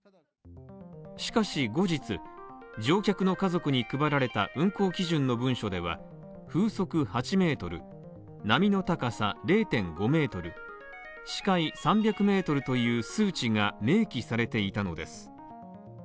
しかし後日、乗客の家族に配られた運航基準の文書では、風速８ｍ、波の高さ０．５ｍ視界３００ｍという数値が明記されていたのです。